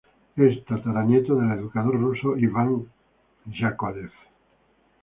Es tataranieto del educador ruso Iván Yákovlev.